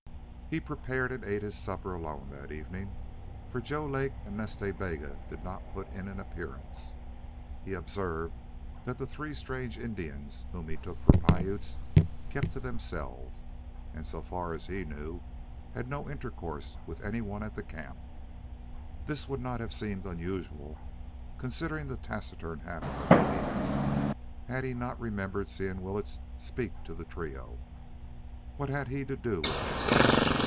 He prepared and ate his supper alone that evening, for Joe Lake and Nas Ta Bega did not put in an appearance. He observed that the three strange Indians, whom he took for Piutes, kept to themselves, and, so far as he knew, had no intercourse with any one at the camp. This would not have seemed unusual, considering the taciturn habit of Indians, had he not remembered seeing Willetts speak to the trio. What had he to do with them?